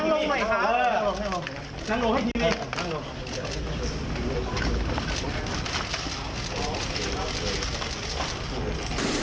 นั่งลงให้ทีไม่